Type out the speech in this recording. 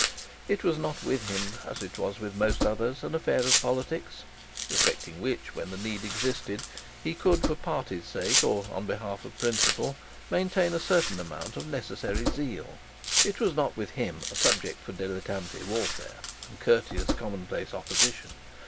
It was not with him as with most others, an affair of politics, respecting which, when the need existed, he could, for parties' sake or on behalf of principle, maintain a certain amount of necessary zeal; it was not with him a subject for dilettante warfare, and courteous common place opposition.